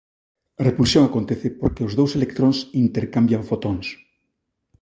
A repulsión acontece porque os dous electróns intercambian fotóns.